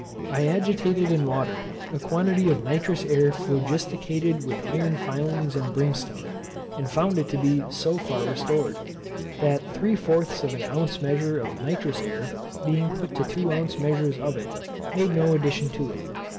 I agitated in water a quantity of nitrous air phlogisticated with iron filings and brimstone, and found it to be so far restored, that three fourths of an ounce measure of nitrous air being put to two ounce measures of it, made no addition to it.